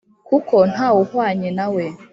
kuko nta wuhwanye nawe